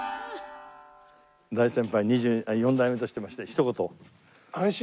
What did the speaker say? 大先輩四代目としましてひと言。